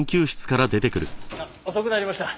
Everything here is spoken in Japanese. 遅くなりました。